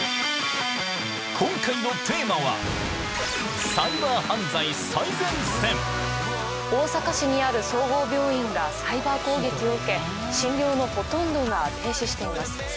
今回のテーマは、大阪市にある総合病院がサイバー攻撃を受け、診療のほとんどが停止しています。